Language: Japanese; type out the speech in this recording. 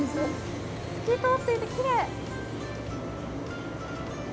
透き通っていてきれい。